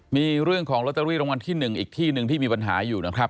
มีเรื่องของลอตเตอรี่รางวัลที่๑อีกที่หนึ่งที่มีปัญหาอยู่นะครับ